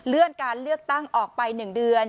เลื่อนการเลือกตั้งออกไป๑เดือน